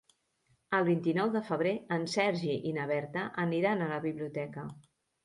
El vint-i-nou de febrer en Sergi i na Berta aniran a la biblioteca.